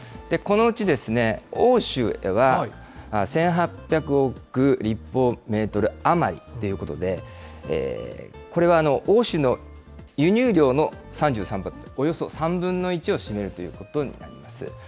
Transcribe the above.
このうち欧州へは１８００億立方メートル余りということで、これは欧州の輸入量の３３％、およそ３分の１を占めるということになります。